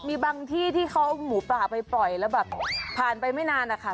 มีบางที่ที่เขาเอาหมูป่าไปปล่อยแล้วแบบผ่านไปไม่นานนะคะ